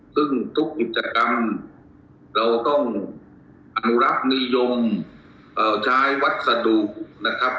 ซึ่งทุกกิจกรรมเราต้องอนุรักษ์นิยมใช้วัสดุนะครับ